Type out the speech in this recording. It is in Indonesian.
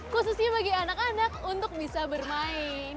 khususnya bagi anak anak untuk bisa bermain